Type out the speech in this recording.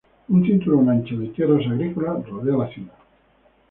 Un cinturón ancho de tierras agrícolas rodea la ciudad.